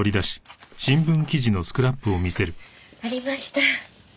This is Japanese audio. ありました。